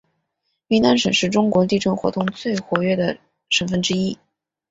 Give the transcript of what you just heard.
云南省是中国地震活动最活跃的省份之一。